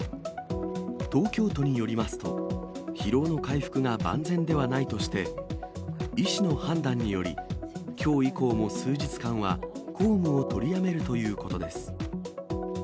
東京都によりますと、疲労の回復が万全ではないとして、医師の判断により、きょう以降も数日間は、公務を取りやめるということです。